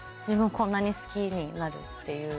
こんなに好きになるっていう。